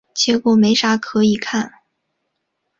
结果没啥可以看